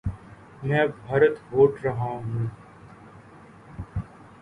میں بھارت ہوٹ رہا ہوں